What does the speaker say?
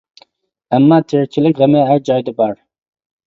ئەمما تىرىكچىلىك غېمى ھەر جايدا بار.